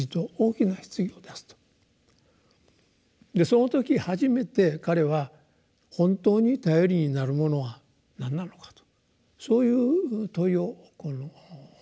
その時初めて彼は本当に頼りになるものは何なのかとそういう問いを持つようになった。